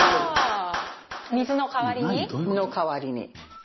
水の代わりに？の代わりに。